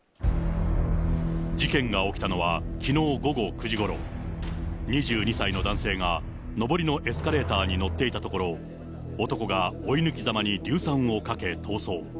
事件が起きたのはきのう午後９時ごろ、２２歳の男性が上りのエスカレーターに乗っていたところ、男が追い抜きざまに硫酸をかけ逃走。